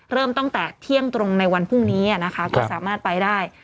เริ่มตั้งแต่เที่ยงตรงในวันพรุ่งนี้นะคะก็สามารถไปได้